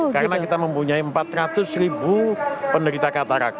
karena kita mempunyai empat ratus ribu penderita katarak